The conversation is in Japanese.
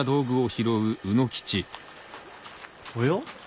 おや？